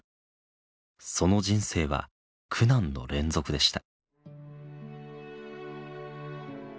その人生は苦難の連続でした。